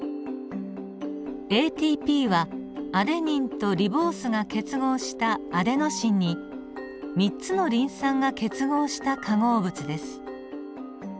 ＡＴＰはアデニンとリボースが結合したアデノシンに３つのリン酸が結合した化合物です。